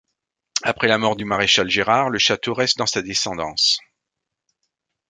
Après la mort du maréchal Gérard, le château reste dans sa descendance.